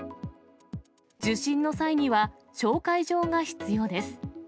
受診の際には、紹介状が必要です。